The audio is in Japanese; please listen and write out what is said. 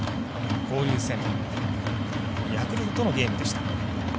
交流戦ヤクルトとのゲームでした。